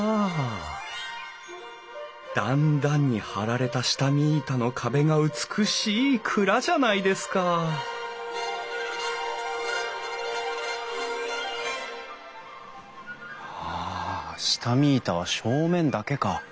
段々に張られた下見板の壁が美しい蔵じゃないですかはあ下見板は正面だけか。